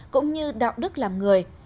cũng như đạo đức làm người